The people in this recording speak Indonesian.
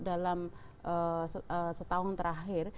dalam setahun terakhir